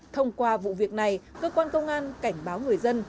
thông qua vụ việc này cơ quan công an cảnh báo người dân